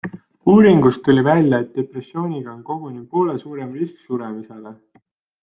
Uuringust tuli välja, et depressiooniga on koguni poole suurem risk suremisele.